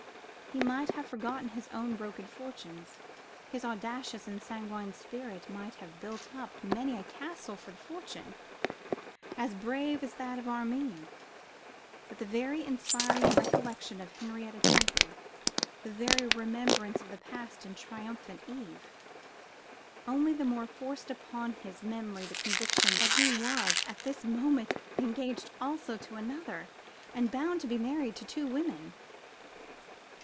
He might have forgotten his own broken fortunes, his audacious and sanguine spirit might have built up many a castle for the future, as brave as that of Armine; but the very inspiring recollection of Henrietta Temple, the very remembrance of the past and triumphant eve, only the more forced upon his memory the conviction that he was, at this moment, engaged also to another, and bound to be married to two women.